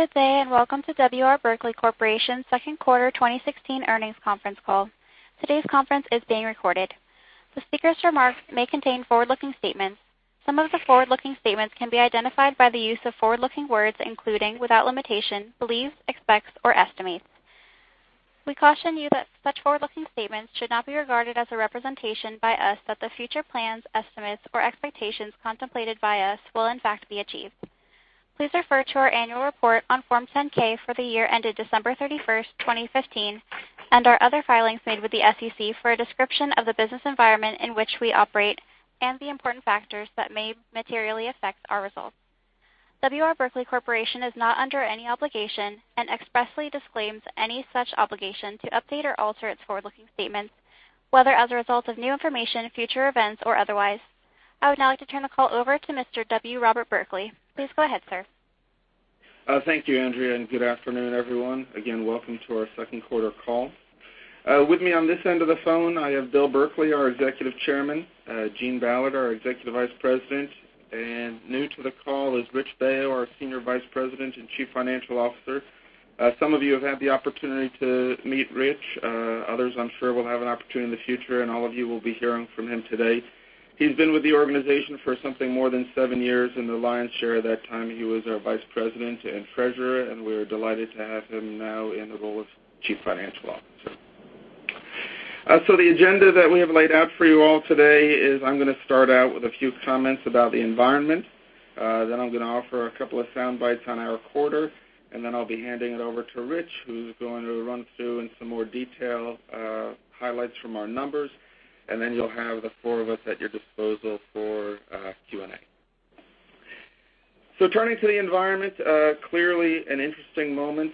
Good day, welcome to W. R. Berkley Corporation's second quarter 2016 earnings conference call. Today's conference is being recorded. The speaker's remarks may contain forward-looking statements. Some of the forward-looking statements can be identified by the use of forward-looking words, including, without limitation, believes, expects or estimates. We caution you that such forward-looking statements should not be regarded as a representation by us that the future plans, estimates or expectations contemplated by us will in fact be achieved. Please refer to our annual report on Form 10-K for the year ended December 31st 2015, our other filings made with the SEC for a description of the business environment in which we operate and the important factors that may materially affect our results. W. R. Berkley Corporation is not under any obligation expressly disclaims any such obligation to update or alter its forward-looking statements, whether as a result of new information, future events or otherwise. I would now like to turn the call over to Mr. W. Robert Berkley. Please go ahead, sir. Thank you, Andrea, good afternoon, everyone. Again, welcome to our second quarter call. With me on this end of the phone, I have Bill Berkley, our Executive Chairman, Gene Ballard, our Executive Vice President, new to the call is Rich Baio, our Senior Vice President and Chief Financial Officer. Some of you have had the opportunity to meet Rich. Others I'm sure will have an opportunity in the future, all of you will be hearing from him today. He's been with the organization for something more than seven years, the lion's share of that time he was our Vice President and Treasurer, we're delighted to have him now in the role of Chief Financial Officer. The agenda that we have laid out for you all today is I'm going to start out with a few comments about the environment. I'm going to offer a couple of soundbites on our quarter, I'll be handing it over to Rich, who's going to run through in some more detail, highlights from our numbers. You'll have the four of us at your disposal for Q&A. Turning to the environment, clearly an interesting moment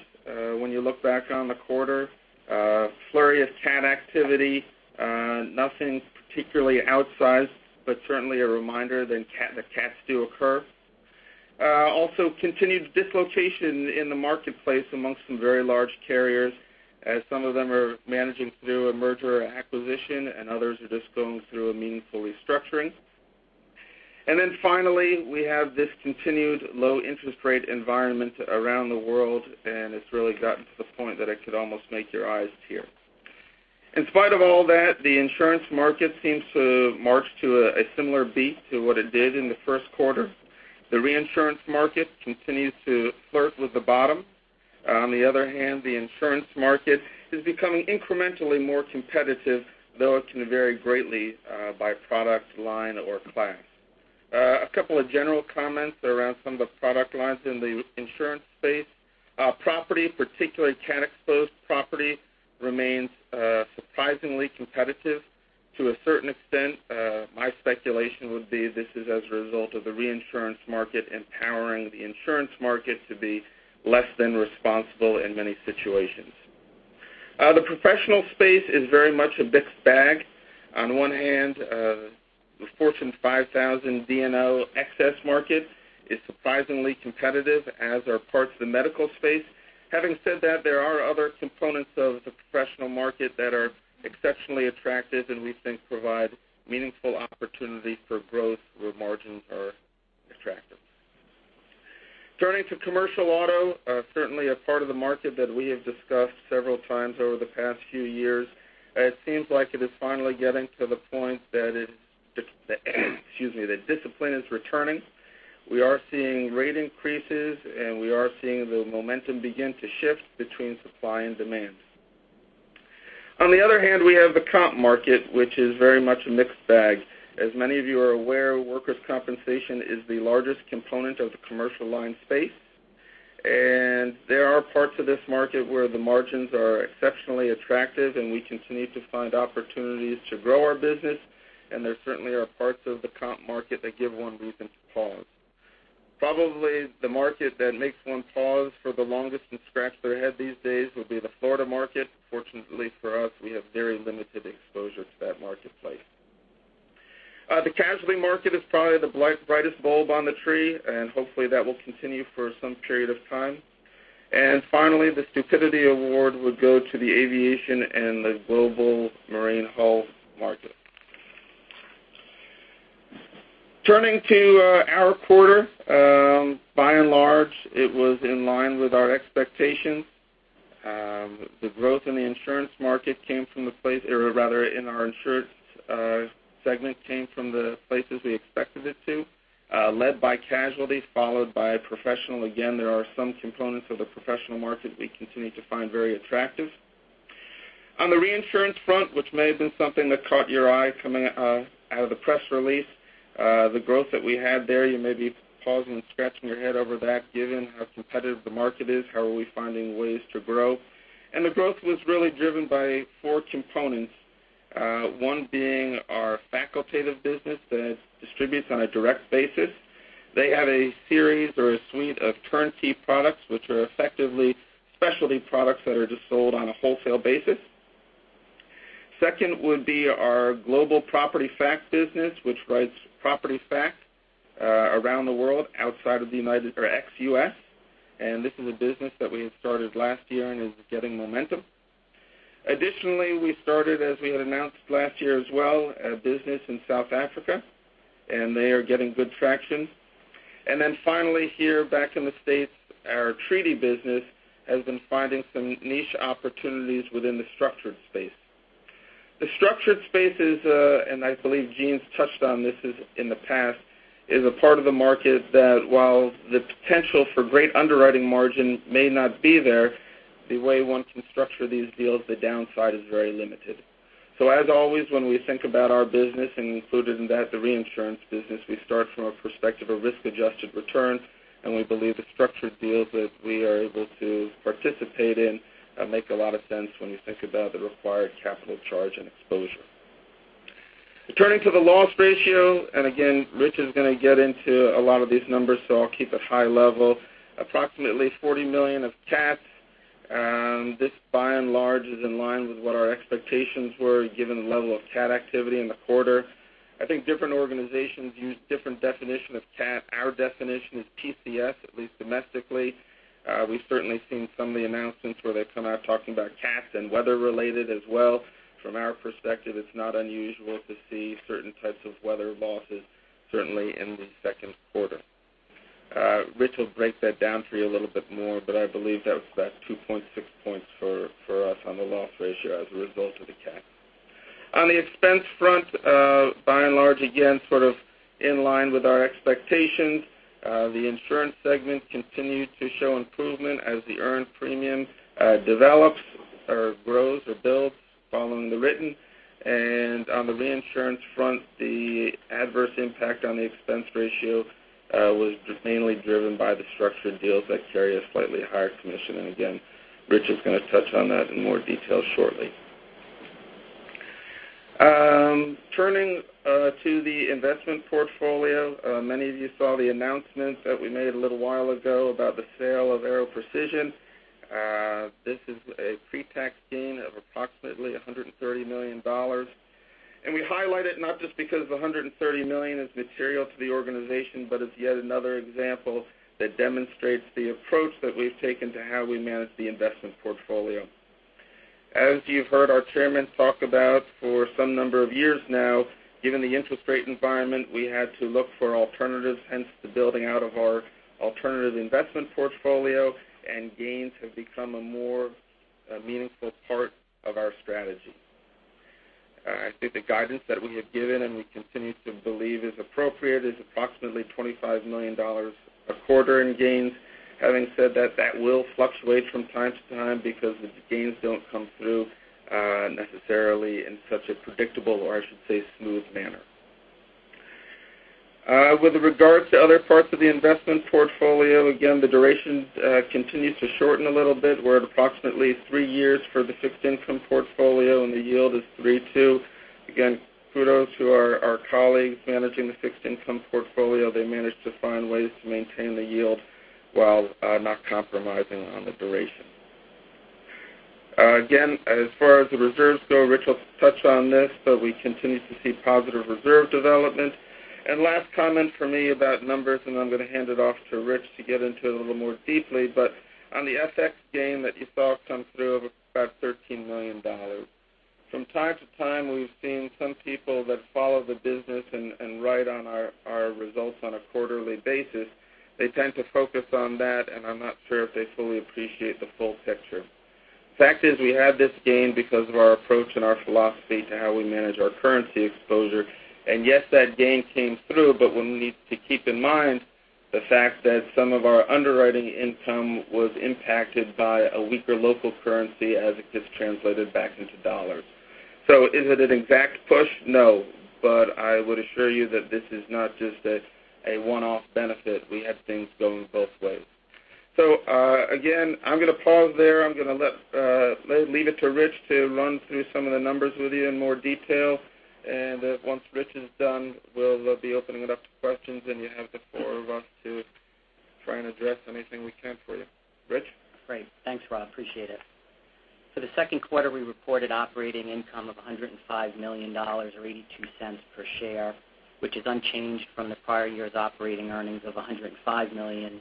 when you look back on the quarter. A flurry of cat activity. Nothing particularly outsized, but certainly a reminder that cats do occur. Also, continued dislocation in the marketplace amongst some very large carriers, as some of them are managing through a merger or acquisition, others are just going through a meaningful restructuring. Finally, we have this continued low interest rate environment around the world, it's really gotten to the point that it could almost make your eyes tear. In spite of all that, the insurance market seems to march to a similar beat to what it did in the first quarter. The reinsurance market continues to flirt with the bottom. On the other hand, the insurance market is becoming incrementally more competitive, though it can vary greatly by product line or class. A couple of general comments around some of the product lines in the insurance space. Property, particularly cat-exposed property, remains surprisingly competitive. To a certain extent, my speculation would be this is as a result of the reinsurance market empowering the insurance market to be less than responsible in many situations. The professional space is very much a mixed bag. On one hand, the Fortune 5000 D&O excess market is surprisingly competitive, as are parts of the medical space. Having said that, there are other components of the professional market that are exceptionally attractive and we think provide meaningful opportunity for growth where margins are attractive. Turning to commercial auto, certainly a part of the market that we have discussed several times over the past few years. It seems like it is finally getting to the point that discipline is returning. We are seeing rate increases, and we are seeing the momentum begin to shift between supply and demand. On the other hand, we have the comp market, which is very much a mixed bag. As many of you are aware, workers' compensation is the largest component of the commercial line space. There are parts of this market where the margins are exceptionally attractive, and we continue to find opportunities to grow our business. There certainly are parts of the comp market that give one reason to pause. Probably the market that makes one pause for the longest and scratch their head these days would be the Florida market. Fortunately for us, we have very limited exposure to that marketplace. The casualty market is probably the brightest bulb on the tree, and hopefully that will continue for some period of time. Finally, the stupidity award would go to the aviation and the global marine hull market. Turning to our quarter. By and large, it was in line with our expectations. The growth in our insurance segment came from the places we expected it to. Led by casualty, followed by professional. Again, there are some components of the professional market we continue to find very attractive. On the reinsurance front, which may have been something that caught your eye coming out of the press release, the growth that we had there, you may be pausing and scratching your head over that given how competitive the market is, how are we finding ways to grow. The growth was really driven by 4 components. One being our facultative business that distributes on a direct basis. They have a series or a suite of turnkey products, which are effectively specialty products that are just sold on a wholesale basis. Second would be our global property fact business, which writes property fact around the world ex-U.S. This is a business that we had started last year and is getting momentum. Additionally, we started, as we had announced last year as well, a business in South Africa, and they are getting good traction. Finally here back in the U.S., our treaty business has been finding some niche opportunities within the structured space. The structured space is, and I believe Gene's touched on this in the past, is a part of the market that while the potential for great underwriting margin may not be there, the way one can structure these deals, the downside is very limited. As always, when we think about our business and included in that the reinsurance business, we start from a perspective of risk-adjusted return, and we believe the structured deals that we are able to participate in make a lot of sense when you think about the required capital charge and exposure. Turning to the loss ratio, and again, Rich is going to get into a lot of these numbers, so I'll keep it high level. Approximately $40 million of CAT. This by and large is in line with what our expectations were, given the level of CAT activity in the quarter. I think different organizations use different definition of CAT. Our definition is PCS, at least domestically. We've certainly seen some of the announcements where they've come out talking about CATs and weather related as well. From our perspective, it's not unusual to see certain types of weather losses, certainly in the second quarter. Rich will break that down for you a little bit more, but I believe that was about 2.6 points for us on the loss ratio as a result of the CAT. On the expense front, by and large, again, sort of in line with our expectations. The insurance segment continued to show improvement as the earned premium develops or grows or builds following the written. On the reinsurance front, the adverse impact on the expense ratio was mainly driven by the structured deals that carry a slightly higher commission. Again, Rich is going to touch on that in more detail shortly. Turning to the investment portfolio. Many of you saw the announcement that we made a little while ago about the sale of Aero Precision. This is a pre-tax gain of approximately $130 million. We highlight it not just because the $130 million is material to the organization, but it's yet another example that demonstrates the approach that we've taken to how we manage the investment portfolio. As you've heard our Chairman talk about for some number of years now, given the interest rate environment, we had to look for alternatives, hence the building out of our alternative investment portfolio and gains have become a more meaningful part of our strategy. The guidance that we have given and we continue to believe is appropriate is approximately $25 million a quarter in gains. Having said that will fluctuate from time to time because the gains don't come through necessarily in such a predictable or I should say, smooth manner. With regards to other parts of the investment portfolio, again, the durations continue to shorten a little bit. We're at approximately three years for the fixed income portfolio, and the yield is 3.2%. Again, kudos to our colleagues managing the fixed income portfolio. They managed to find ways to maintain the yield while not compromising on the duration. Again, as far as the reserves go, Rich will touch on this, but we continue to see positive reserve development. Last comment from me about numbers, I'm going to hand it off to Rich to get into it a little more deeply. On the FX gain that you saw come through of about $13 million. From time to time, we've seen some people that follow the business and write on our results on a quarterly basis. They tend to focus on that, I'm not sure if they fully appreciate the full picture. Fact is, we have this gain because of our approach and our philosophy to how we manage our currency exposure. Yes, that gain came through, but we'll need to keep in mind the fact that some of our underwriting income was impacted by a weaker local currency as it gets translated back into dollars. Is it an exact push? No. I would assure you that this is not just a one-off benefit. We have things going both ways. Again, I'm going to pause there. I'm going to leave it to Rich to run through some of the numbers with you in more detail. Once Rich is done, we'll be opening it up to questions, and you have the four of us to try and address anything we can for you. Rich? Great. Thanks, Rob. Appreciate it. For the second quarter, we reported operating income of $105 million or $0.82 per share, which is unchanged from the prior year's operating earnings of $105 million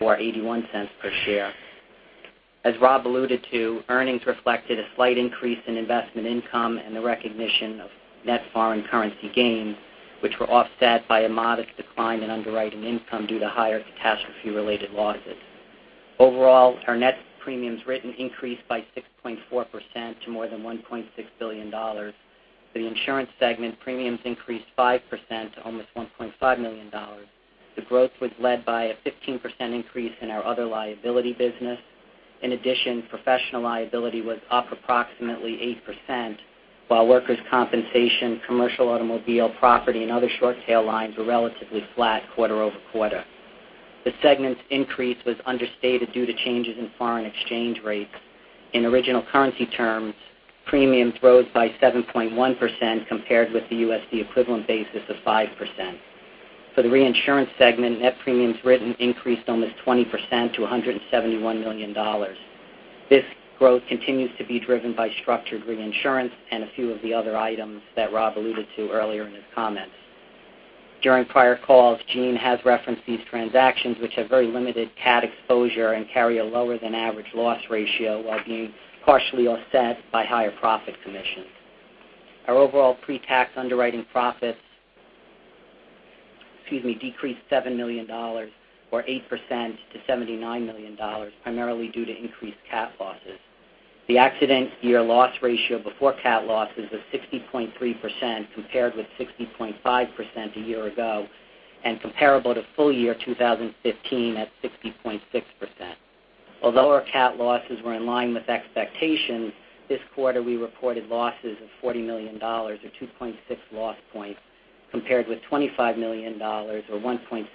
or $0.81 per share. As Rob alluded to, earnings reflected a slight increase in investment income and the recognition of net foreign currency gains, which were offset by a modest decline in underwriting income due to higher catastrophe-related losses. Overall, our net premiums written increased by 6.4% to more than $1.6 billion. For the insurance segment, premiums increased 5% to almost $1.5 million. The growth was led by a 15% increase in our other liability business. In addition, professional liability was up approximately 8%, while workers' compensation, commercial automobile, property, and other short tail lines were relatively flat quarter-over-quarter. The segment's increase was understated due to changes in foreign exchange rates. In original currency terms, premiums rose by 7.1%, compared with the USD equivalent basis of 5%. For the reinsurance segment, net premiums written increased almost 20% to $171 million. This growth continues to be driven by structured reinsurance and a few of the other items that Rob alluded to earlier in his comments. During prior calls, Gene has referenced these transactions, which have very limited cat exposure and carry a lower than average loss ratio while being partially offset by higher profit commissions. Our overall pre-tax underwriting profits decreased $7 million, or 8%, to $79 million, primarily due to increased cat losses. The accident year loss ratio before cat losses was 60.3% compared with 60.5% a year ago, and comparable to full year 2015 at 60.6%. Although our cat losses were in line with expectations, this quarter we reported losses of $40 million or 2.6 loss points compared with $25 million or 1.6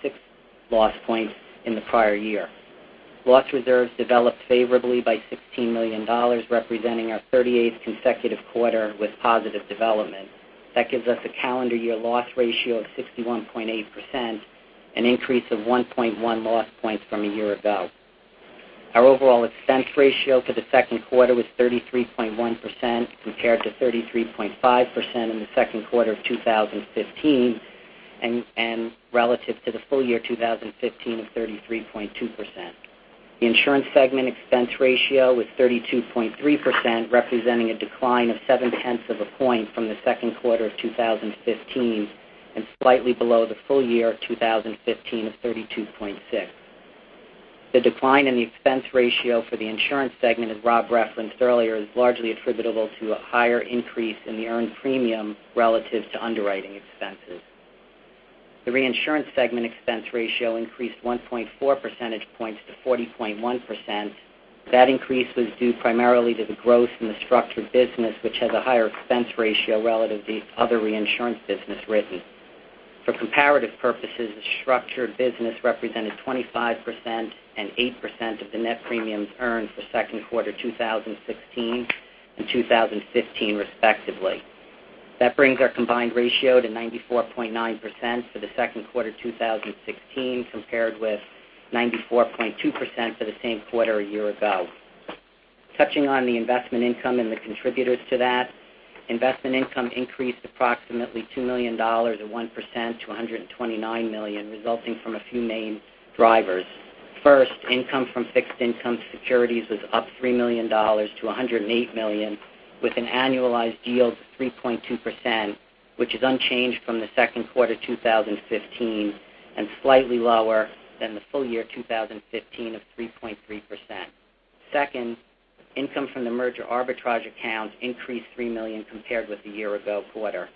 loss points in the prior year. Loss reserves developed favorably by $16 million, representing our 38th consecutive quarter with positive development. That gives us a calendar year loss ratio of 61.8%, an increase of 1.1 loss points from a year ago. Our overall expense ratio for the second quarter was 33.1% compared to 33.5% in the second quarter of 2015, and relative to the full year 2015 of 33.2%. The insurance segment expense ratio was 32.3%, representing a decline of seven-tenths of a point from the second quarter of 2015 and slightly below the full year of 2015 of 32.6%. The decline in the expense ratio for the insurance segment, as Rob referenced earlier, is largely attributable to a higher increase in the earned premium relative to underwriting expenses. The reinsurance segment expense ratio increased 1.4 percentage points to 40.1%. That increase was due primarily to the growth in the structured business, which has a higher expense ratio relative to other reinsurance business written. For comparative purposes, the structured business represented 25% and 8% of the net premiums earned for second quarter 2016 and 2015 respectively. That brings our combined ratio to 94.9% for the second quarter 2016, compared with 94.2% for the same quarter a year ago. Touching on the investment income and the contributors to that, investment income increased approximately $2 million, or 1%, to $129 million, resulting from a few main drivers. First, income from fixed income securities was up $3 million to $108 million, with an annualized yield of 3.2%, which is unchanged from the second quarter 2015, and slightly lower than the full year 2015 of 3.3%. Second, income from the merger arbitrage accounts increased $3 million compared with the year ago quarter.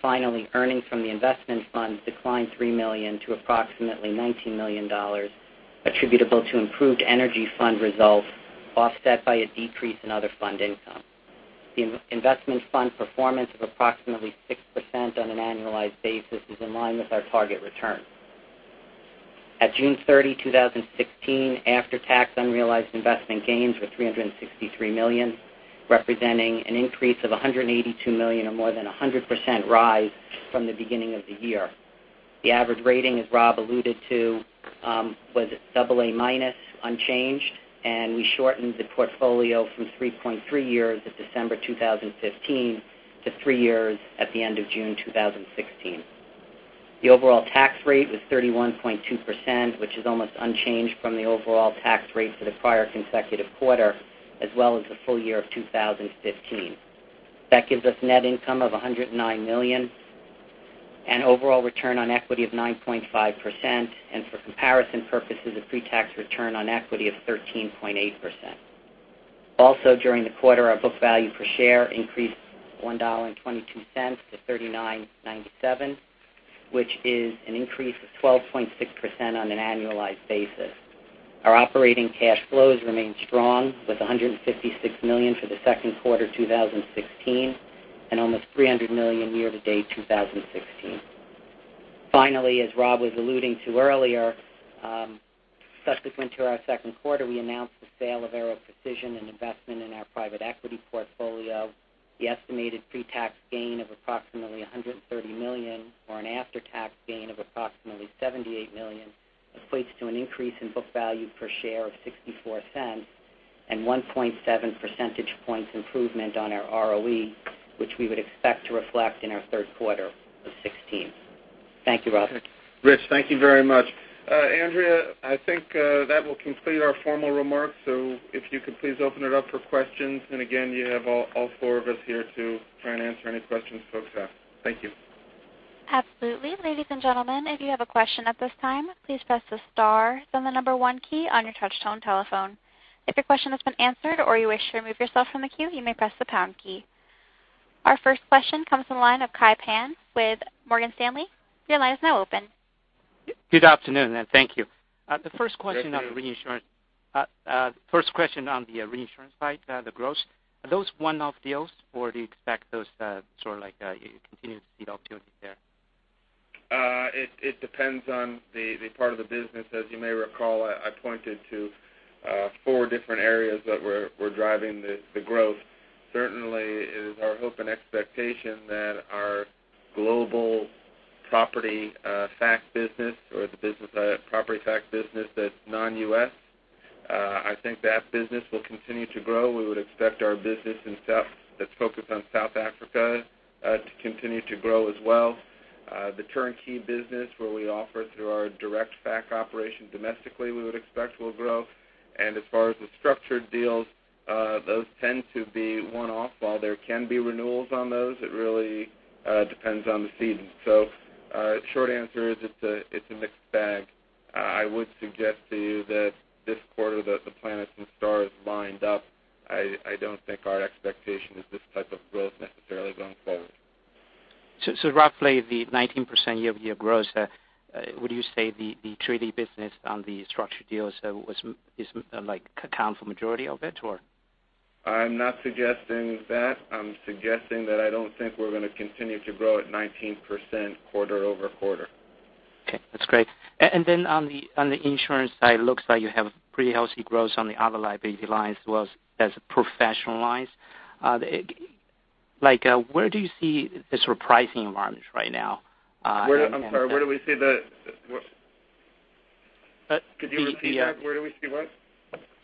Finally, earnings from the investment fund declined $3 million to approximately $19 million attributable to improved energy fund results, offset by a decrease in other fund income. The investment fund performance of approximately 6% on an annualized basis is in line with our target return. At June 30, 2016, after-tax unrealized investment gains were $363 million, representing an increase of $182 million or more than 100% rise from the beginning of the year. The average rating, as Rob alluded to, was double A minus unchanged, and we shortened the portfolio from 3.3 years at December 2015 to three years at the end of June 2016. The overall tax rate was 31.2%, which is almost unchanged from the overall tax rate for the prior consecutive quarter, as well as the full year of 2015. That gives us net income of $109 million, an overall return on equity of 9.5%, and for comparison purposes, a pre-tax return on equity of 13.8%. Also, during the quarter, our book value per share increased $1.22 to $39.97, which is an increase of 12.6% on an annualized basis. Our operating cash flows remain strong with $156 million for the second quarter 2016 and almost $300 million year to date 2016. Finally, as Rob was alluding to earlier, subsequent to our second quarter, we announced the sale of Aero Precision, an investment in our private equity portfolio. The estimated pre-tax gain of approximately $130 million or an after-tax gain of approximately $78 million equates to an increase in book value per share of $0.64 and 1.7 percentage points improvement on our ROE, which we would expect to reflect in our third quarter of 2016. Thank you, Rob. Rich, thank you very much. Andrea, I think that will complete our formal remarks. If you could please open it up for questions. Again, you have all four of us here to try and answer any questions folks have. Thank you. Absolutely. Ladies and gentlemen, if you have a question at this time, please press the star, then the number one key on your touch-tone telephone. If your question has been answered or you wish to remove yourself from the queue, you may press the pound key. Our first question comes from the line of Kai Pan with Morgan Stanley. Your line is now open. Good afternoon, thank you. Good afternoon. The first question on the reinsurance side, the growth. Are those one-off deals, or do you expect those to continue to see the opportunity there? It depends on the part of the business. As you may recall, I pointed to four different areas that were driving the growth. Certainly, it is our hope and expectation that our global property FAC business that's non-U.S. I think that business will continue to grow. We would expect our business that's focused on South Africa to continue to grow as well. The turnkey business, where we offer through our direct FAC operation domestically, we would expect will grow. As far as the structured deals, those tend to be one-off. While there can be renewals on those, it really depends on the season. Short answer is, it's a mixed bag. I would suggest to you that this quarter that the planets and stars lined up. I don't think our expectation is this type of growth necessarily going forward. Roughly the 19% year-over-year growth, would you say the treaty business on the structured deals accounts for majority of it? I'm not suggesting that. I'm suggesting that I don't think we're going to continue to grow at 19% quarter-over-quarter. Okay, that's great. On the insurance side, looks like you have pretty healthy growth on the other liability lines as well as professional lines. Where do you see this repricing environment right now? I'm sorry, where do we see the what? Could you repeat that? Where do we see what?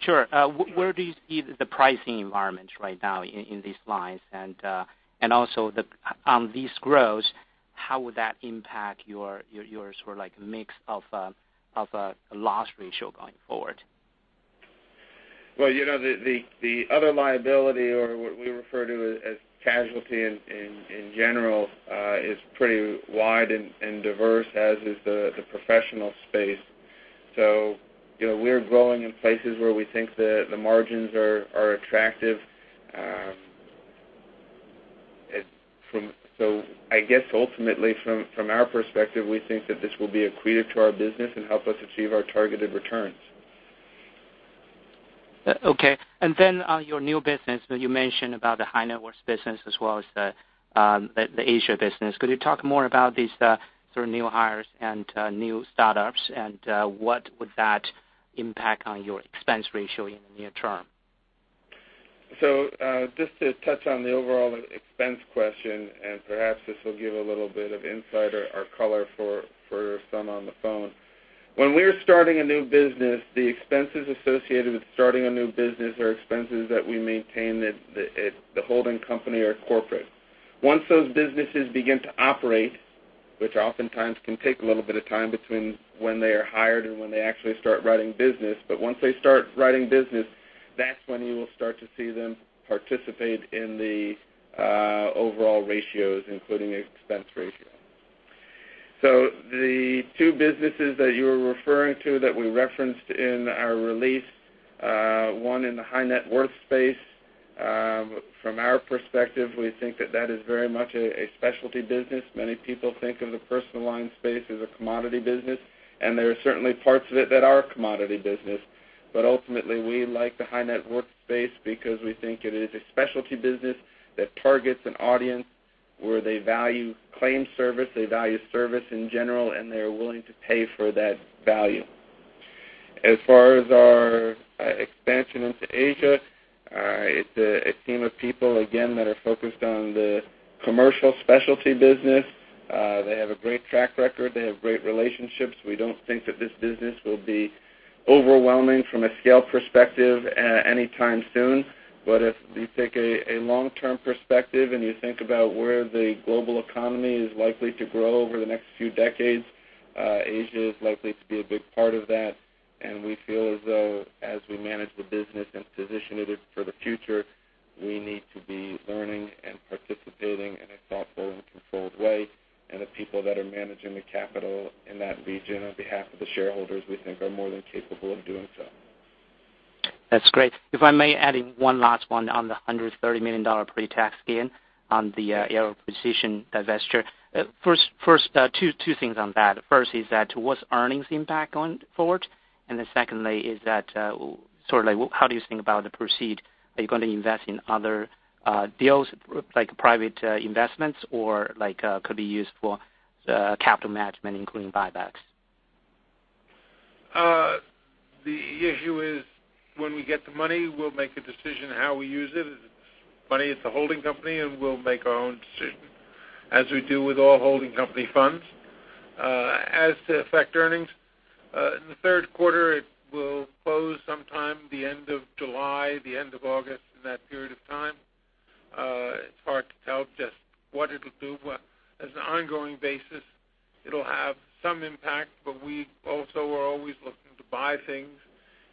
Sure. Where do you see the pricing environment right now in these lines? On these growths, how would that impact your mix of loss ratio going forward? The other liability, or what we refer to as casualty in general, is pretty wide and diverse, as is the professional space. We're growing in places where we think the margins are attractive. I guess ultimately from our perspective, we think that this will be accretive to our business and help us achieve our targeted returns. Okay, on your new business, you mentioned about the high net worth business as well as the Asia business. Could you talk more about these new hires and new startups, and what would that impact on your expense ratio in the near term? Just to touch on the overall expense question, and perhaps this will give a little bit of insight or color for some on the phone. When we're starting a new business, the expenses associated with starting a new business are expenses that we maintain at the holding company or corporate. Once those businesses begin to operate, which oftentimes can take a little bit of time between when they are hired and when they actually start writing business. Once they start writing business, that's when you will start to see them participate in the overall ratios, including expense ratio. The two businesses that you were referring to that we referenced in our release, one in the high net worth space. From our perspective, we think that that is very much a specialty business. Many people think of the personal line space as a commodity business, and there are certainly parts of it that are a commodity business. Ultimately, we like the high net worth space because we think it is a specialty business that targets an audience where they value claim service, they value service in general, and they are willing to pay for that value. As far as our expansion into Asia, it's a team of people again, that are focused on the commercial specialty business. They have a great track record. They have great relationships. We don't think that this business will be overwhelming from a scale perspective anytime soon. If you take a long-term perspective and you think about where the global economy is likely to grow over the next few decades, Asia is likely to be a big part of that. We feel as though as we manage the business and position it for the future, we need to be learning and participating in a thoughtful and controlled way. The people that are managing the capital in that region on behalf of the shareholders, we think, are more than capable of doing so. That's great. If I may add in one last one on the $130 million pre-tax gain on the Aero Precision divesture. First, two things on that. First is that what's earnings impact going forward? Secondly is that, how do you think about the proceeds? Are you going to invest in other deals like private investments or could be used for capital management, including buybacks? The issue is when we get the money, we'll make a decision how we use it. Money is the holding company, and we'll make our own decision, as we do with all holding company funds. As to affect earnings, in the third quarter, it will close sometime the end of July, the end of August, in that period of time. It's hard to tell just what it'll do. As an ongoing basis, it'll have some impact, but we also are always looking to buy things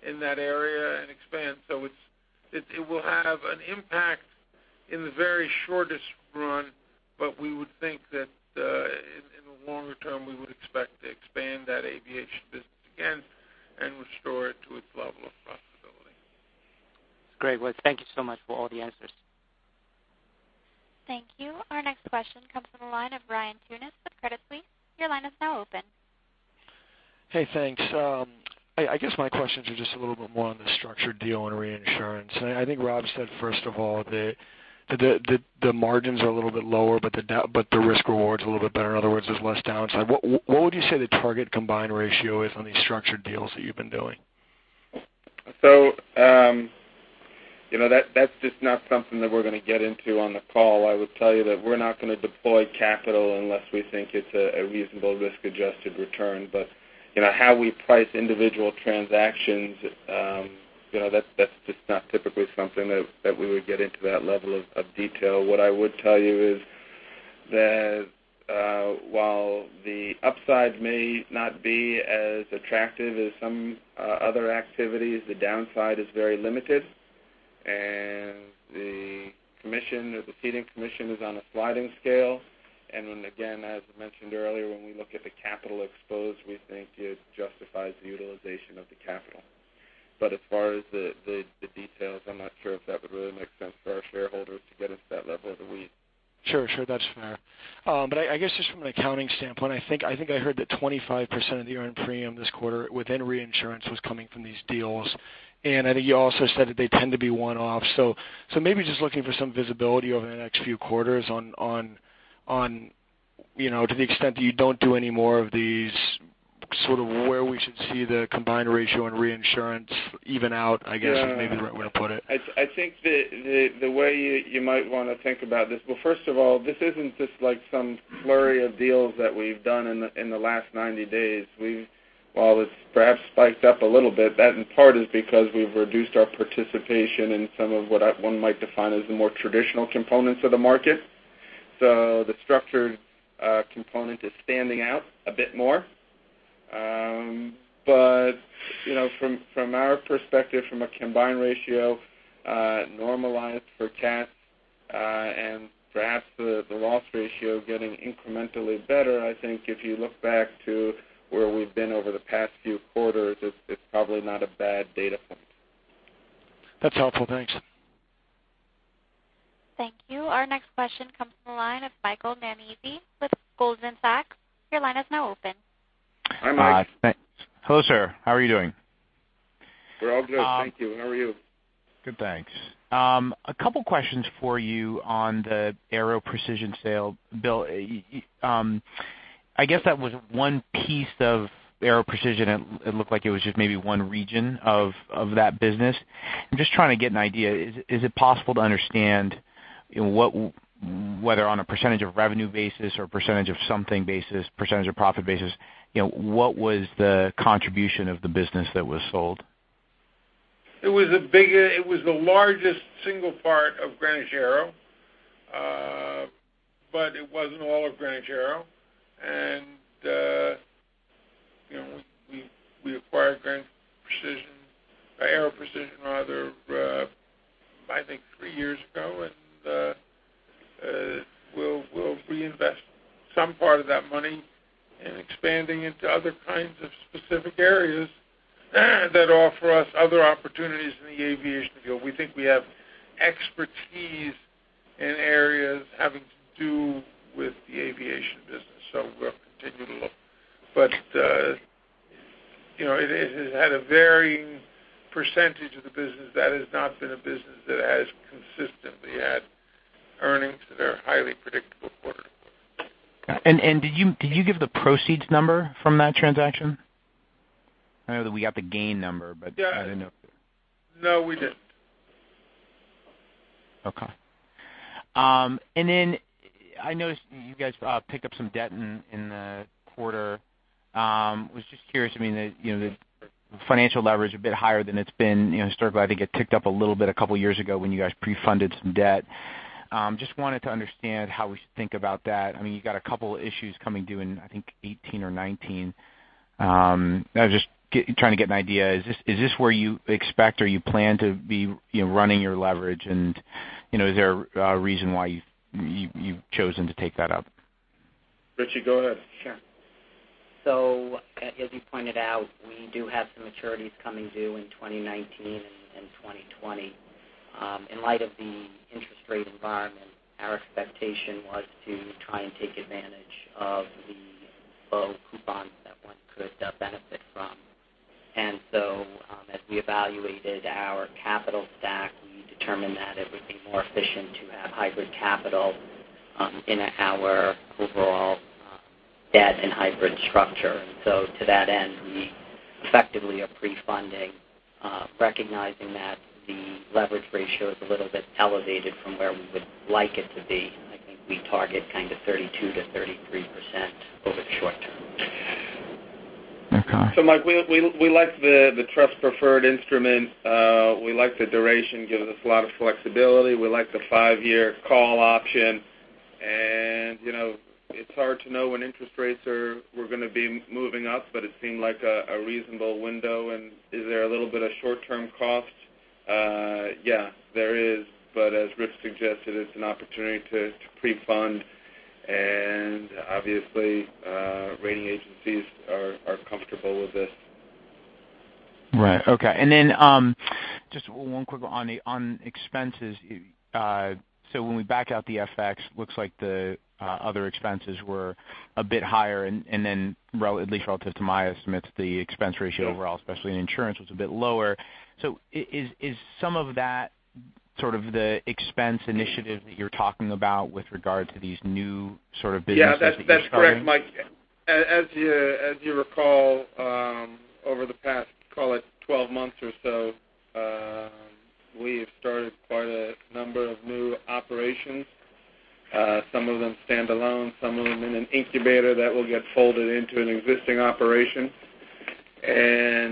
in that area and expand. It will have an impact in the very shortest run, but we would think that in the longer term, we would expect to expand that aviation business again and restore it to its level of profitability. Great. Well, thank you so much for all the answers. Thank you. Our next question comes from the line of Ryan Tunis with Credit Suisse. Your line is now open. Hey, thanks. I guess my questions are just a little bit more on the structured deal and reinsurance. I think Rob said, first of all, that the margins are a little bit lower, but the risk reward's a little bit better. In other words, there's less downside. What would you say the target combined ratio is on these structured deals that you've been doing? That's just not something that we're going to get into on the call. I would tell you that we're not going to deploy capital unless we think it's a reasonable risk-adjusted return. How we price individual transactions, that's just not typically something that we would get into that level of detail. What I would tell you is that while the upside may not be as attractive as some other activities, the downside is very limited, and the ceding commission is on a sliding scale. Again, as I mentioned earlier, when we look at the capital exposed, we think it justifies the utilization of the capital. As far as the details, I'm not sure if that would really make sense for our shareholders to get into that level of the weeds. Sure. That's fair. I guess just from an accounting standpoint, I think I heard that 25% of the earned premium this quarter within reinsurance was coming from these deals, and I think you also said that they tend to be one-off. Maybe just looking for some visibility over the next few quarters on, to the extent that you don't do any more of these, sort of where we should see the combined ratio and reinsurance even out, I guess? Yeah maybe the right way to put it. I think the way you might want to think about this, well, first of all, this isn't just like some flurry of deals that we've done in the last 90 days. While it's perhaps spiked up a little bit, that in part is because we've reduced our participation in some of what one might define as the more traditional components of the market. The structured component is standing out a bit more. From our perspective, from a combined ratio normalized for cats, and perhaps the loss ratio getting incrementally better, I think if you look back to where we've been over the past few quarters, it's probably not a bad data point. That's helpful. Thanks. Thank you. Our next question comes from the line of Michael Nannizzi with Goldman Sachs. Your line is now open. Hi, Mike. Hi. Thanks. Hello, sir. How are you doing? We're all good, thank you. How are you? Good, thanks. A couple questions for you on the Aero Precision sale. Bill, I guess that was one piece of Aero Precision, it looked like it was just maybe one region of that business. I'm just trying to get an idea. Is it possible to understand whether on a percentage of revenue basis or percentage of something basis, percentage of profit basis, what was the contribution of the business that was sold? It was the largest single part of Greenwich AeroGroup, but it wasn't all of Greenwich AeroGroup. We acquired Aero Precision, I think, three years ago, and we'll reinvest some part of that money in expanding into other kinds of specific areas that offer us other opportunities in the aviation field. We think we have expertise in areas having to do with the aviation business, so we'll continue to look. It has had a varying percentage of the business. That has not been a business that has consistently had earnings that are highly predictable quarter to quarter. Got it. Did you give the proceeds number from that transaction? I know that we got the gain number, but I didn't know. No, we didn't. Okay. I noticed you guys picked up some debt in the quarter. I was just curious. The financial leverage a bit higher than it's been historically. I think it ticked up a little bit a couple of years ago when you guys pre-funded some debt. Just wanted to understand how we should think about that. You've got a couple issues coming due in, I think, 2018 or 2019. I was just trying to get an idea. Is this where you expect or you plan to be running your leverage, and is there a reason why you've chosen to take that up? Rich, go ahead. Sure. As you pointed out, we do have some maturities coming due in 2019 and 2020. In light of the interest rate environment, our expectation was to try and take advantage of the low coupons that one could benefit from. As we evaluated our capital stack, we determined that it would be more efficient to have hybrid capital in our overall debt and hybrid structure. To that end, we effectively are pre-funding, recognizing that the leverage ratio is a little bit elevated from where we would like it to be. I think we target kind of 32%-33% over the short term. Okay. Mike, we like the trust preferred instrument. We like the duration, gives us a lot of flexibility. We like the five-year call option. It's hard to know when interest rates are going to be moving up, but it seemed like a reasonable window, and is there a little bit of short-term cost? Yeah, there is, but as Rich suggested, it's an opportunity to pre-fund, and obviously, rating agencies are comfortable with this. Right. Okay. Just one quick one on expenses. When we back out the FX, looks like the other expenses were a bit higher, and then at least relative to my estimates, the expense ratio overall, especially in insurance, was a bit lower. Is some of that sort of the expense initiative that you're talking about with regard to these new sort of businesses that you're starting? As you recall, over the past, call it 12 months or so, we have started quite a number of new operations. Some of them standalone, some of them in an incubator that will get folded into an existing operation. As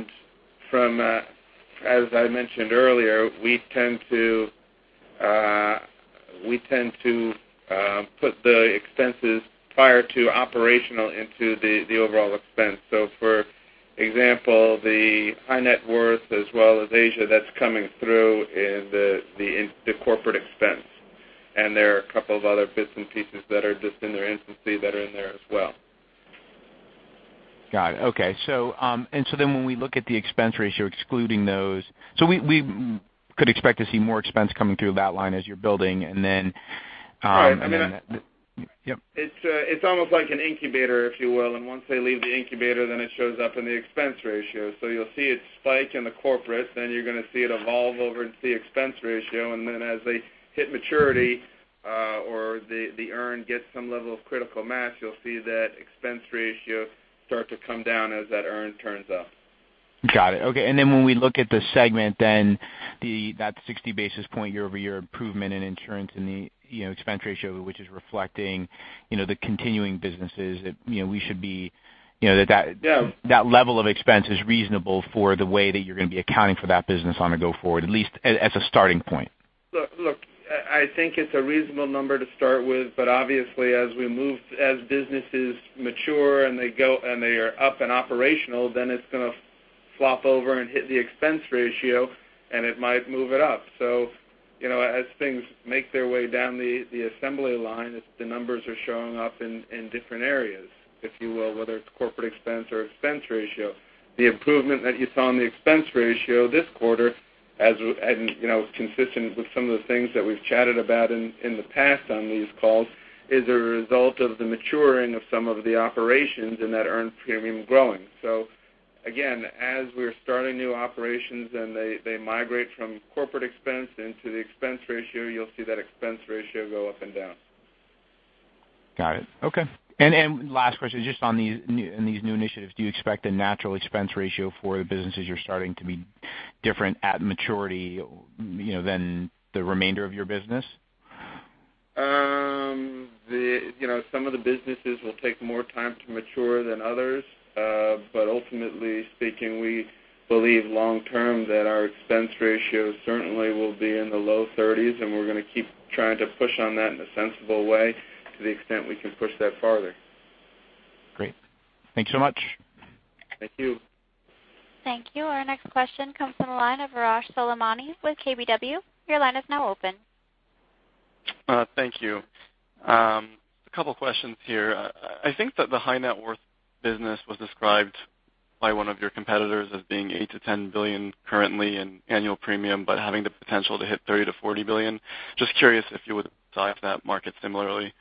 I mentioned earlier, we tend to put the expenses prior to operational into the overall expense. For example, the high net worth as well as Asia, that's coming through in the corporate expense. There are a couple of other bits and pieces that are just in their infancy that are in there as well. Got it. Okay. When we look at the expense ratio, excluding those, we could expect to see more expense coming through that line as you're building. Right. Yep. It's almost like an incubator, if you will. Once they leave the incubator, then it shows up in the expense ratio. You'll see it spike in the corporate, you're going to see it evolve over to the expense ratio, and as they hit maturity, or the earn gets some level of critical mass, you'll see that expense ratio start to come down as that earn turns up. Got it. Okay. When we look at the segment, that 60 basis point year-over-year improvement in insurance and the expense ratio, which is reflecting the continuing businesses, that level of expense is reasonable for the way that you're going to be accounting for that business on a go forward, at least as a starting point. I think it's a reasonable number to start with, obviously as businesses mature and they are up and operational, it's going to flop over and hit the expense ratio, and it might move it up. As things make their way down the assembly line, the numbers are showing up in different areas, if you will, whether it's corporate expense or expense ratio. The improvement that you saw in the expense ratio this quarter, as consistent with some of the things that we've chatted about in the past on these calls, is a result of the maturing of some of the operations and that earned premium growing. Again, as we're starting new operations and they migrate from corporate expense into the expense ratio, you'll see that expense ratio go up and down. Got it. Okay. Last question, just on these new initiatives, do you expect a natural expense ratio for the businesses you're starting to be different at maturity, than the remainder of your business? Some of the businesses will take more time to mature than others. Ultimately speaking, we believe long term that our expense ratio certainly will be in the low 30s, and we're going to keep trying to push on that in a sensible way to the extent we can push that farther. Great. Thank you so much. Thank you. Thank you. Our next question comes from the line of Arash Soleimani with KBW. Your line is now open. Thank you. A couple questions here. I think that the high net worth business was described by one of your competitors as being $8 billion-$10 billion currently in annual premium, but having the potential to hit $30 billion-$40 billion. Just curious if you would size that market similarly.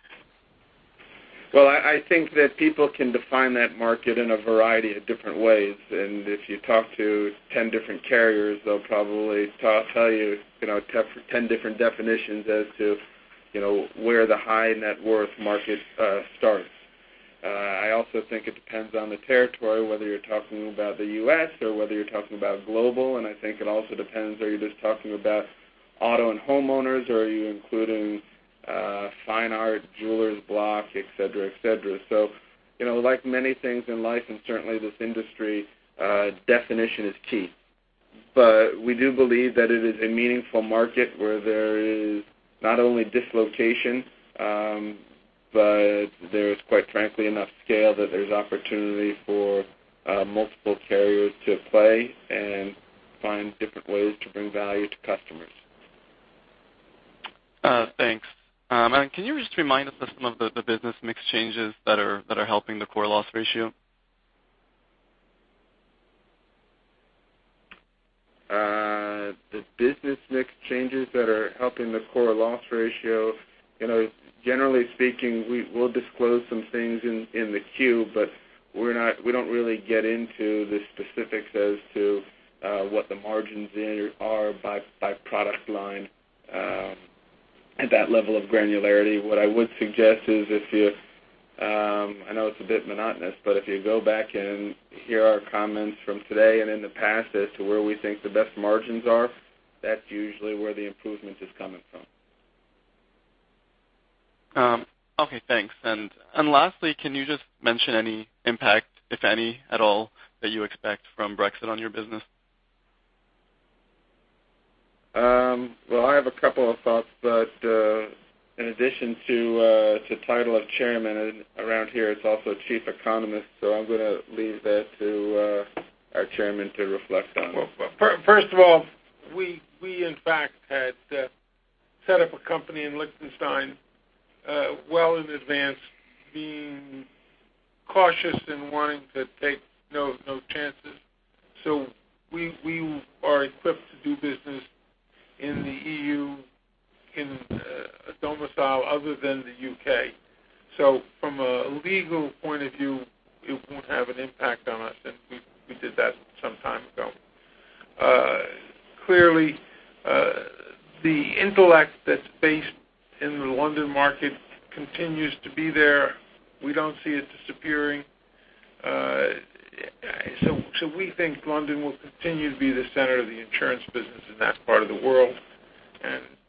I think that people can define that market in a variety of different ways, and if you talk to 10 different carriers, they'll probably tell you 10 different definitions as to where the high net worth market starts. I also think it depends on the territory, whether you're talking about the U.S. or whether you're talking about global, and I think it also depends, are you just talking about auto and homeowners, or are you including fine art, jewelers block, et cetera. Like many things in life, and certainly this industry, definition is key. We do believe that it is a meaningful market where there is not only dislocation, but there is quite frankly enough scale that there's opportunity for multiple carriers to play and find different ways to bring value to customers. Thanks. Can you just remind us of some of the business mix changes that are helping the core loss ratio? The business mix changes that are helping the core loss ratio. Generally speaking, we'll disclose some things in the Q, we don't really get into the specifics as to what the margins are by product line at that level of granularity. What I would suggest is if you, I know it's a bit monotonous, if you go back and hear our comments from today and in the past as to where we think the best margins are, that's usually where the improvement is coming from. Okay, thanks. Lastly, can you just mention any impact, if any at all, that you expect from Brexit on your business? Well, I have a couple of thoughts, in addition to title of chairman around here, it's also chief economist, I'm going to leave that to our chairman to reflect on. First of all, we in fact had set up a company in Liechtenstein, well in advance, being cautious and wanting to take no chances. We are equipped to do business in the EU, in a domicile other than the U.K. From a legal point of view, it won't have an impact on us, and we did that some time ago. Clearly, the intellect that's based in the London market continues to be there. We don't see it disappearing. We think London will continue to be the center of the insurance business in that part of the world.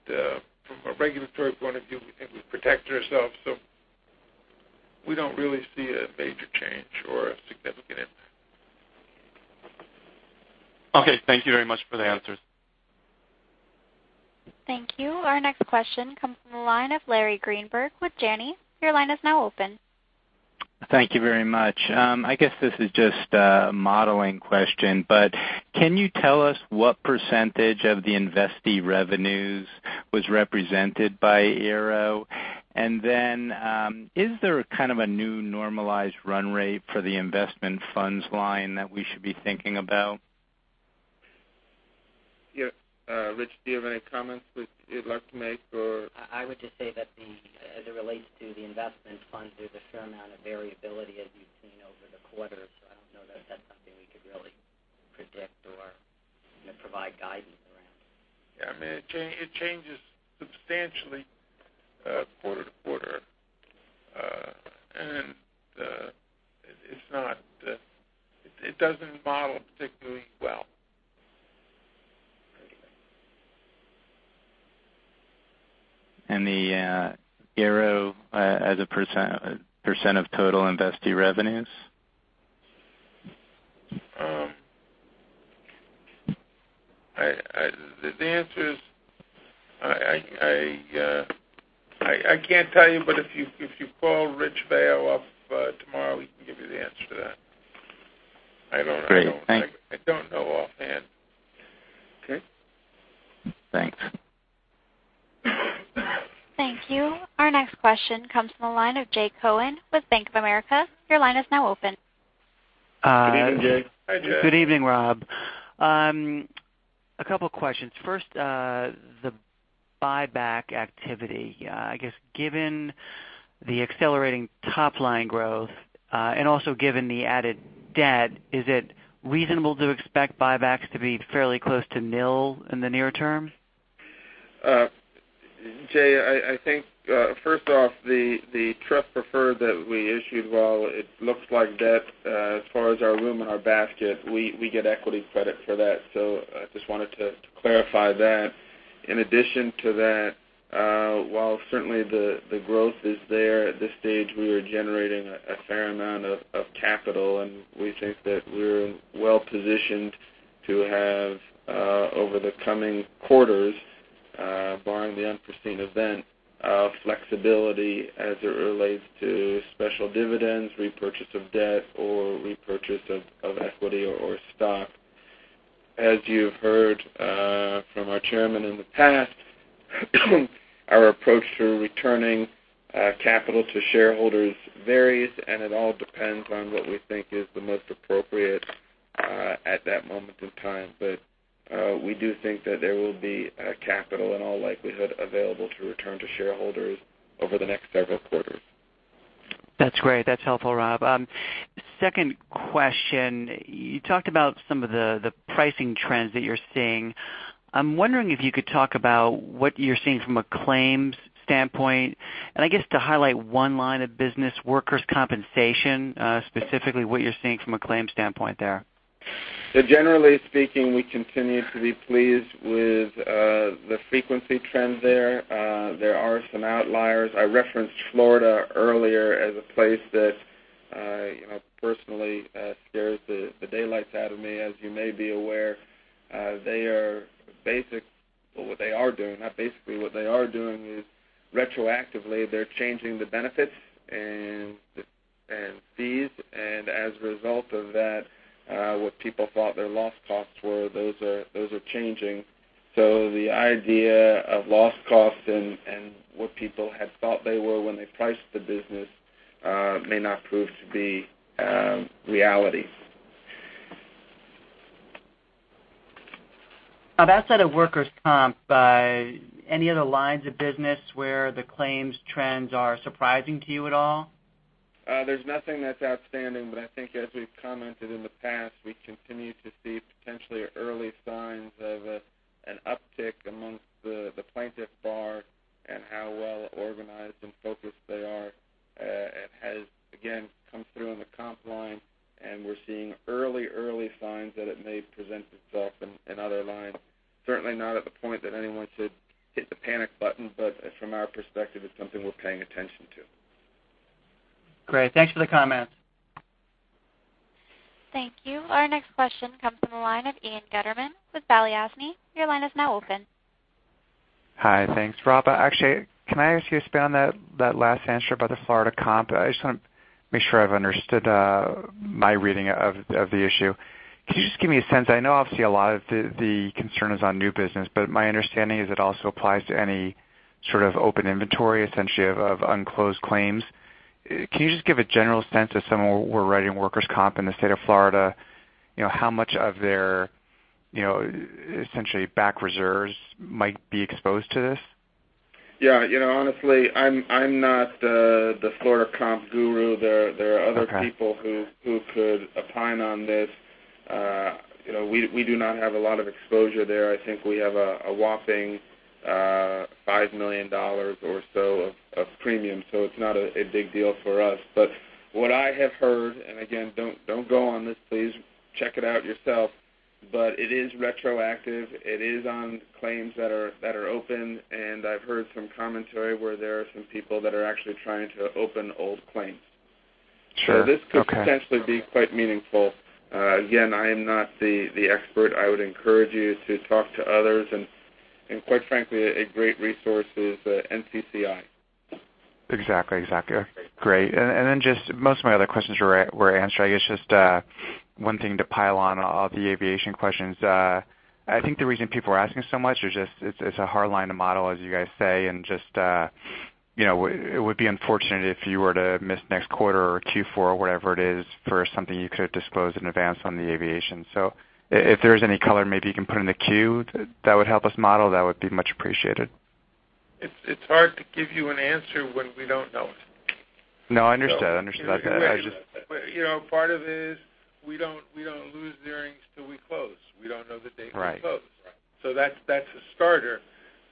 From a regulatory point of view, we think we've protected ourselves, we don't really see a major change or a significant impact. Okay, thank you very much for the answers. Thank you. Our next question comes from the line of Larry Greenberg with Janney. Your line is now open. Thank you very much. I guess this is just a modeling question, but can you tell us what % of the investee revenues was represented by Aero Precision? Is there a kind of a new normalized run rate for the investment funds line that we should be thinking about? Yeah. Rich, do you have any comments you'd like to make or I would just say that as it relates to the investment funds, there's a fair amount of variability as you've seen over the quarter, so I don't know that that's something we could really predict or provide guidance around. Yeah, it changes substantially quarter to quarter. It doesn't model particularly well. The Aero as a % of total investee revenues? The answer is, I can't tell you, but if you call Rich Baio up tomorrow, he can give you the answer to that. Great, thank you. I don't know offhand. Okay. Thanks. Thank you. Our next question comes from the line of Jay Cohen with Bank of America. Your line is now open. Good evening, Jay. Hi, Jay. Good evening, Rob. A couple questions. First, the buyback activity. I guess given the accelerating top-line growth, and also given the added debt, is it reasonable to expect buybacks to be fairly close to nil in the near term? Jay, I think, first off, the trust preferred that we issued, while it looks like debt, as far as our room and our basket, we get equity credit for that. I just wanted to clarify that. In addition to that, while certainly the growth is there, at this stage, we are generating a fair amount of capital, and we think that we're well-positioned to have, over the coming quarters, barring the unforeseen event, flexibility as it relates to special dividends, repurchase of debt, or repurchase of equity or stock. As you've heard from our chairman in the past, our approach to returning capital to shareholders varies, and it all depends on what we think is the most appropriate at that moment in time. We do think that there will be capital, in all likelihood, available to return to shareholders over the next several quarters. That's great. That's helpful, Rob. Second question, you talked about some of the pricing trends that you're seeing. I'm wondering if you could talk about what you're seeing from a claims standpoint, and I guess to highlight one line of business, workers' compensation, specifically what you're seeing from a claims standpoint there. Generally speaking, we continue to be pleased with the frequency trends there. There are some outliers. I referenced Florida earlier as a place that personally scares the daylights out of me. As you may be aware, what they are doing is retroactively, they're changing the benefits and fees. As a result of that, what people thought their loss costs were, those are changing. The idea of loss costs and what people had thought they were when they priced the business may not prove to be reality. Outside of workers' comp, any other lines of business where the claims trends are surprising to you at all? There's nothing that's outstanding, I think as we've commented in the past, we continue to see potentially early signs of an uptick amongst the plaintiff bar and how well organized and focused they are. It has, again, come through on the comp line, we're seeing early signs that it may present itself in other lines. Certainly not at the point that anyone should hit the panic button, from our perspective, it's something we're paying attention to. Great. Thanks for the comments. Thank you. Our next question comes from the line of Ian Gutterman with Balyasny. Your line is now open. Hi, thanks, Rob. Actually, can I ask you to expand on that last answer about the Florida comp? I just want to make sure I've understood my reading of the issue. Can you just give me a sense, I know obviously a lot of the concern is on new business, but my understanding is it also applies to any sort of open inventory, essentially of unclosed claims. Can you just give a general sense if someone were writing workers' comp in the state of Florida, how much of their essentially back reserves might be exposed to this? Yeah. Honestly, I'm not the Florida comp guru. Okay other people who could opine on this. We do not have a lot of exposure there. I think we have a whopping $5 million or so of premium. It's not a big deal for us. What I have heard, and again, don't go on this, please, check it out yourself, but it is retroactive. It is on claims that are open, and I've heard some commentary where there are some people that are actually trying to open old claims. Sure. Okay. This could potentially be quite meaningful. Again, I am not the expert. I would encourage you to talk to others, and quite frankly, a great resource is NCCI. Exactly. Great. Just most of my other questions were answered. I guess just one thing to pile on all the aviation questions. I think the reason people are asking so much is just it's a hard line to model, as you guys say, and just, it would be unfortunate if you were to miss next quarter or Q4 or whatever it is for something you could disclose in advance on the aviation. If there's any color maybe you can put in the Q that would help us model, that would be much appreciated. It's hard to give you an answer when we don't know it. No, I understand. You know part of it is we don't lose the earnings till we close. We don't know the date we close. Right. That's a starter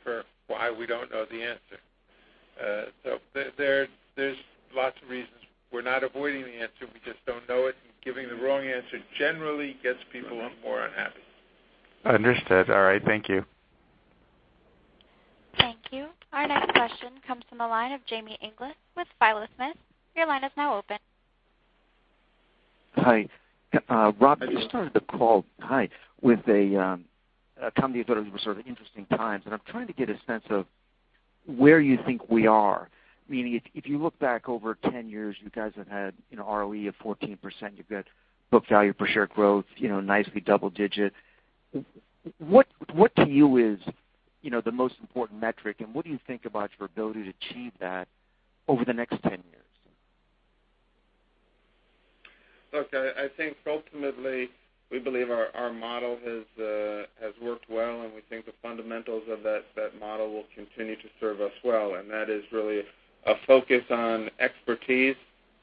for why we don't know the answer. There's lots of reasons. We're not avoiding the answer, we just don't know it. Giving the wrong answer generally gets people more unhappy. Understood. All right. Thank you. Thank you. Our next question comes from the line of Jamie Inglis with Philo Smith. Your line is now open. Hi. Rob, you started the call, hi, with a company with sort of interesting times. I'm trying to get a sense of where you think we are. If you look back over 10 years, you guys have had an ROE of 14%. You've got book value per share growth nicely double digit. What to you is the most important metric, and what do you think about your ability to achieve that over the next 10 years? Look, I think ultimately we believe our model has worked well. We think the fundamentals of that model will continue to serve us well. That is really a focus on expertise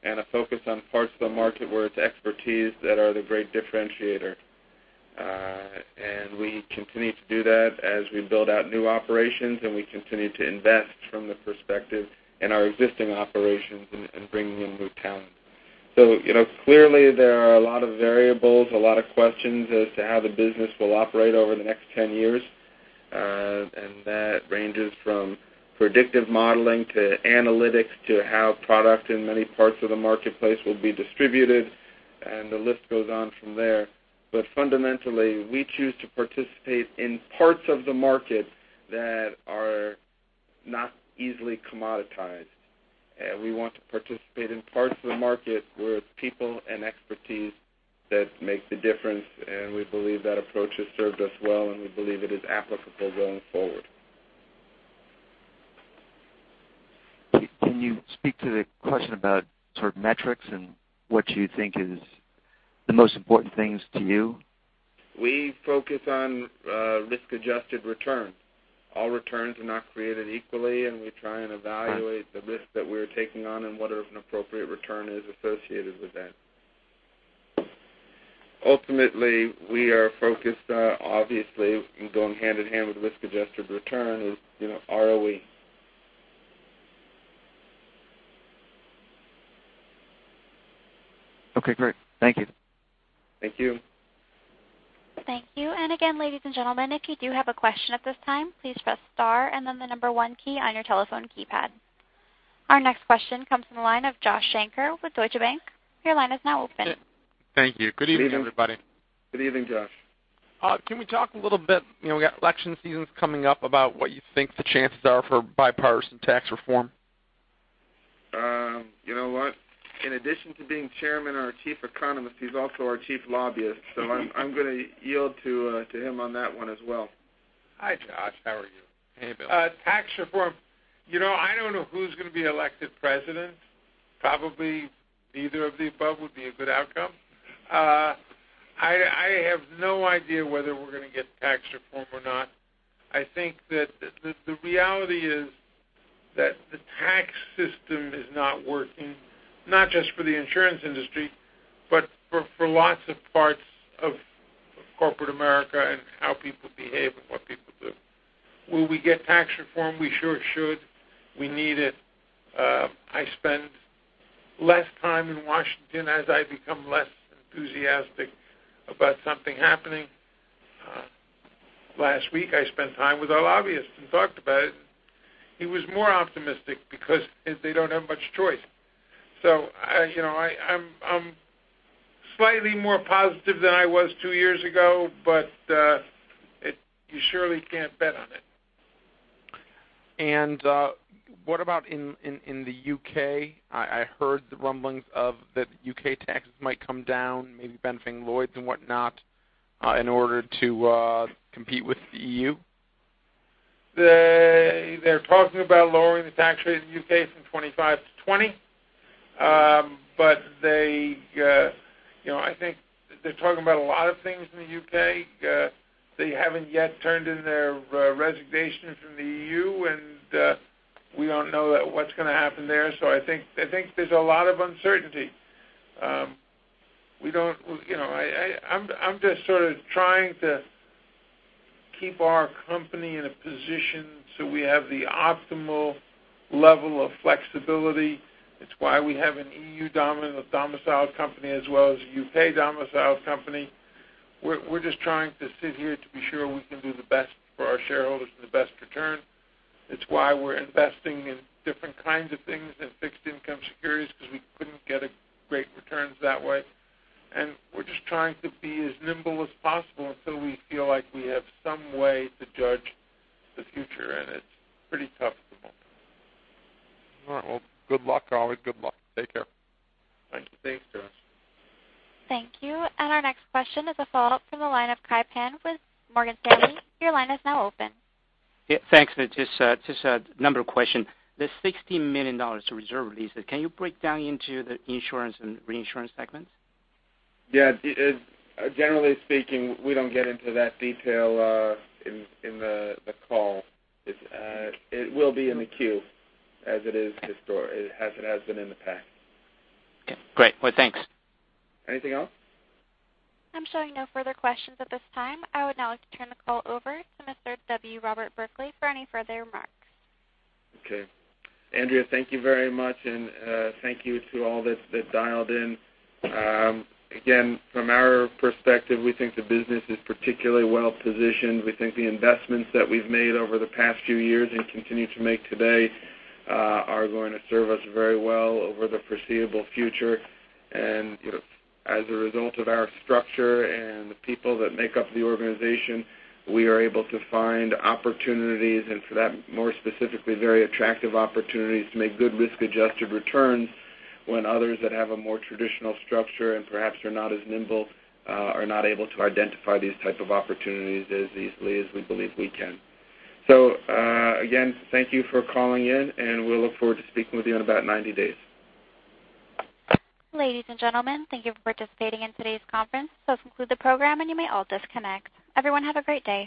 and a focus on parts of the market where it's expertise that are the great differentiator. We continue to do that as we build out new operations, and we continue to invest from the perspective in our existing operations in bringing in new talent. Clearly there are a lot of variables, a lot of questions as to how the business will operate over the next 10 years. That ranges from predictive modeling to analytics to how product in many parts of the marketplace will be distributed, and the list goes on from there. Fundamentally, we choose to participate in parts of the market that are not easily commoditized. We want to participate in parts of the market where it's people and expertise that make the difference, and we believe that approach has served us well, and we believe it is applicable going forward. Can you speak to the question about sort of metrics and what you think is the most important things to you? We focus on risk-adjusted return. All returns are not created equally, and we try and evaluate the risk that we're taking on and what an appropriate return is associated with that. Ultimately, we are focused, obviously, going hand in hand with risk-adjusted return is ROE. Okay, great. Thank you. Thank you. Thank you. Again, ladies and gentlemen, if you do have a question at this time, please press star and then the number 1 key on your telephone keypad. Our next question comes from the line of Joshua Shanker with Deutsche Bank. Your line is now open. Thank you. Good evening, everybody. Good evening, Josh. Can we talk a little bit, we got election seasons coming up, about what you think the chances are for bipartisan tax reform? You know what? In addition to being chairman and our chief economist, he's also our chief lobbyist. I'm going to yield to him on that one as well. Hi, Josh. How are you? Hey, Bill. Tax reform. I don't know who's going to be elected president. Probably neither of the above would be a good outcome. I have no idea whether we're going to get tax reform or not. I think that the reality is that the tax system is not working, not just for the insurance industry, but for lots of parts of corporate America and how people behave and what people do. Will we get tax reform? We sure should. We need it. I spend less time in Washington as I become less enthusiastic about something happening. Last week, I spent time with our lobbyist and talked about it. He was more optimistic because they don't have much choice. I'm slightly more positive than I was 2 years ago, but you surely can't bet on it. What about in the U.K.? I heard the rumblings of that U.K. taxes might come down, maybe benefiting Lloyd's and whatnot, in order to compete with the EU. They're talking about lowering the tax rate in the U.K. from 25 to 20. I think they're talking about a lot of things in the U.K. They haven't yet turned in their resignation from the EU, and we don't know what's going to happen there. I think there's a lot of uncertainty. I'm just sort of trying to keep our company in a position so we have the optimal level of flexibility. It's why we have an EU-domiciled company as well as a U.K.-domiciled company. We're just trying to sit here to be sure we can do the best for our shareholders and the best return. It's why we're investing in different kinds of things in fixed income securities, because we couldn't get great returns that way. We're just trying to be as nimble as possible until we feel like we have some way to judge the future, and it's pretty tough at the moment. All right. Well, good luck. Always good luck. Take care. Thank you. Thanks, Josh. Thank you. Our next question is a follow-up from the line of Kai Pan with Morgan Stanley. Your line is now open. Yeah, thanks. Just a number question. The $60 million to reserve releases, can you break down into the insurance and reinsurance segments? Yeah. Generally speaking, we don't get into that detail in the call. It will be in the Q as it has been in the past. Okay, great. Well, thanks. Anything else? I'm showing no further questions at this time. I would now like to turn the call over to Mr. W. Robert Berkley for any further remarks. Okay. Andrea, thank you very much, and thank you to all that dialed in. From our perspective, we think the business is particularly well-positioned. We think the investments that we've made over the past few years and continue to make today are going to serve us very well over the foreseeable future. As a result of our structure and the people that make up the organization, we are able to find opportunities, and for that, more specifically, very attractive opportunities to make good risk-adjusted returns when others that have a more traditional structure and perhaps are not as nimble are not able to identify these type of opportunities as easily as we believe we can. Again, thank you for calling in, and we'll look forward to speaking with you in about 90 days. Ladies and gentlemen, thank you for participating in today's conference. This will conclude the program, and you may all disconnect. Everyone, have a great day